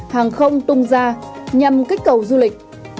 hàng không tung ra nhằm kích cầu du lịch